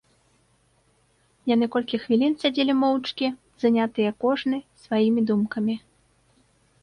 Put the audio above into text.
Яны колькі хвілін сядзелі моўчкі, занятыя кожны сваімі думкамі.